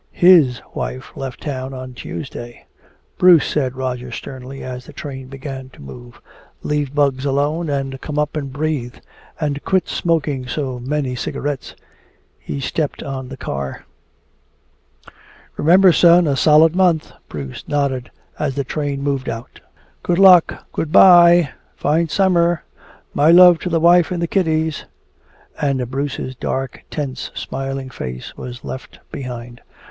His wife left town on Tuesday." "Bruce," said Roger sternly, as the train began to move, "leave bugs alone and come up and breathe! And quit smoking so many cigarettes!" He stepped on the car. "Remember, son, a solid month!" Bruce nodded as the train moved out. "Good luck good bye fine summer my love to the wife and the kiddies " and Bruce's dark, tense, smiling face was left behind.